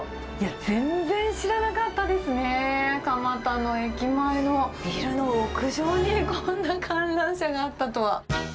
全然知らなかったですね、蒲田の駅前のビルの屋上にこんな観覧車があったとは。